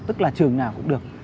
tức là trường nào cũng được